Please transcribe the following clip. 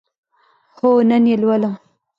هو، نن یی لولم